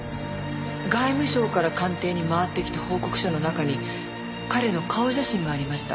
外務省から官邸に回ってきた報告書の中に彼の顔写真がありました。